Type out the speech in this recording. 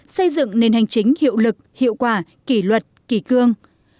xây dựng nền hành chính hiệu lực hiệu quả kỷ luật kỷ cương